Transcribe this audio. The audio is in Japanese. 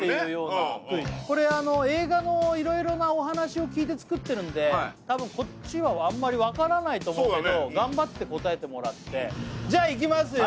これ映画の色々なお話を聞いて作ってるんで多分こっちはあんまり分からないと思うけど頑張って答えてもらってうんじゃいきますよ